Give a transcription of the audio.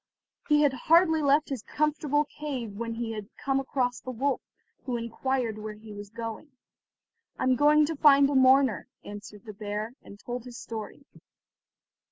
He had hardly left his comfortable cave when he had come across the wolf, who inquired where he was going. "I am going to find a mourner," answered the bear, and told his story.